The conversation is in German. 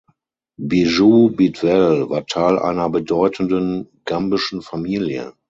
Bijou Bidwell war Teil einer bedeutenden gambischen Familie.